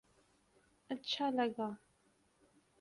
اچھا لگا